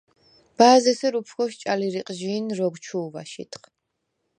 ბა̄ზ’ ესერ უფგოვშ ჭალი რიყჟი̄ნ როგვ ჩუ̄ვ აშიდხ.